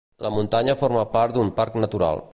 La muntanya forma part d'un parc natural.